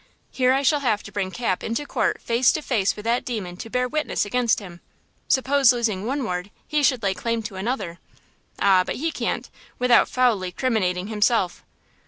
"Here I shall have to bring Cap into court face to face with that demon to bear witness against him! Suppose losing one ward, he should lay claim to another! Ah, but he can't, without foully criminating himself!